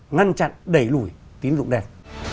ngăn chặn đẩy lùi tín dụng đen